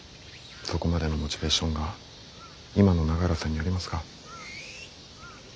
そこまでのモチベーションが今の永浦さんにありますか？